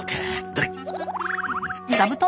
どれ。